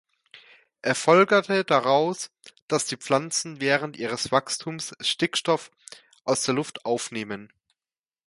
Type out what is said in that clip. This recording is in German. Er folgerte daraus, dass die Pflanzen während ihres Wachstums Stickstoff aus der Luft aufnehmen.